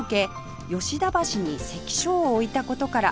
吉田橋に関所を置いた事から